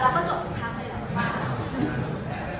ว่าละก็จบทุกครั้งไหมล่ะ